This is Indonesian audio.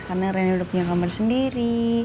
karena ren udah punya kamar sendiri